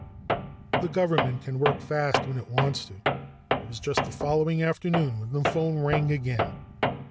The government can work fast when it wants to. It was just the following afternoon when the phone rang again.